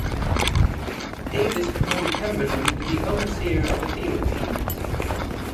Davis promoted Pemberton to be overseer of the field teams.